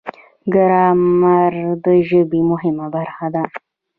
ګرامر د ژبې مهمه برخه ده.